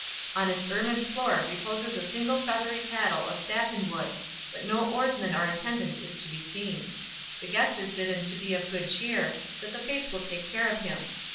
On its ermined floor reposes a single feathery paddle of satin wood; but no oarsmen or attendant is to be seen. The guest is bidden to be of good cheer—that the fates will take care of him.